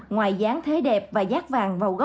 ngoài dáng thế đẹp và giác vàng